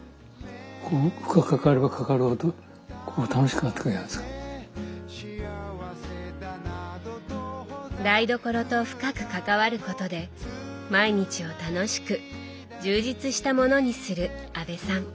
まあ言ってみれば結果的には台所と深く関わることで毎日を楽しく充実したものにする阿部さん。